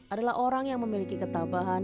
adalah orang yang memiliki ketabahan